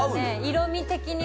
色味的にも。